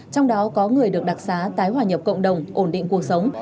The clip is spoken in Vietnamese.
trong đó có người được đặc xá tái hòa nhập cộng đồng ổn định cuộc sống